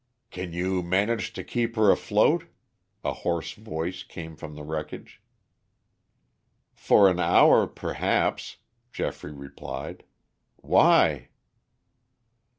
"Can you manage to keep her afloat?" a hoarse voice came from the wreckage. "For an hour, perhaps," Geoffrey replied. "Why?"